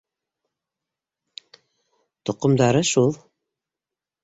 Тоҡомдары шул.